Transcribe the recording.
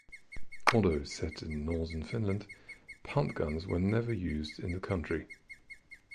Although set in northern Finland, punt guns were never used in the country.